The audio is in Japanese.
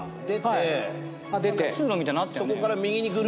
通路みたいになってるね。